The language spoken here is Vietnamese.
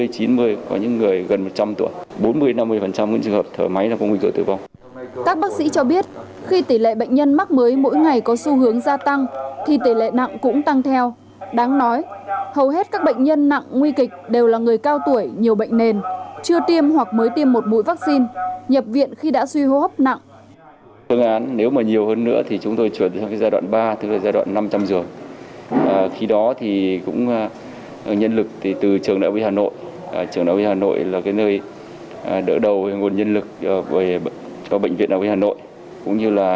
còn riêng đối với tháng một mươi hai hiện nay các bác sĩ toàn bệnh viện cũng đang lập hồ sơ chính từ